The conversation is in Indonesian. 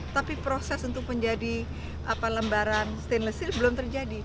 tapi proses untuk menjadi lembaran stainless sheet belum terjadi